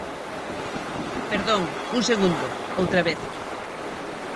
Perdón, un segundo, outra vez.